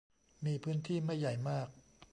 มีพื้นที่ไม่ใหญ่มาก